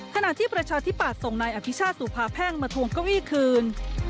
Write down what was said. ขณะที่ประชาธิปัตย์ส่งนายอภิชาติสุภาแพ่งมาทวงเก้าอี้คืน